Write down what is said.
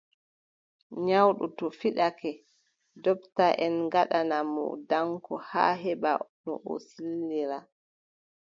Nyawɗo to fiɗake, ndoptaʼen ngaɗana mo danko haa o heɓa no o sillira.